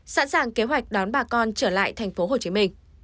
sẵn sàng kế hoạch đón bà con trở lại tp hcm